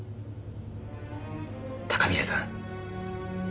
高宮さん。